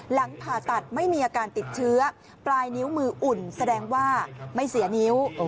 หลังผ่าตัดไม่มีอาการติดเชื้อปลายนิ้วมืออุ่นแสดงว่าไม่เสียนิ้ว